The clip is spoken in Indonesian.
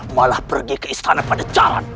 malah pergi ke istana pada jalan